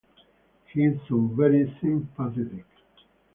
He is so very sympathetic.